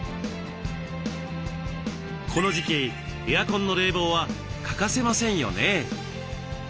この時期エアコンの冷房は欠かせませんよね。